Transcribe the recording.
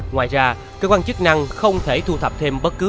ngoài ra cơ quan chức năng không thể thu thập thêm bất cứ